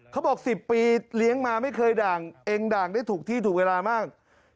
เขาบอก๑๐ปีเลี้ยงมาไม่เคยด่างเองด่างได้ถูกที่ถูกเวลามาก